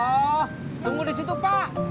oh tunggu di situ pak